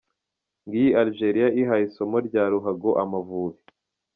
Ngiyi Algeria ihaye isomo rya ruhago Amavubi.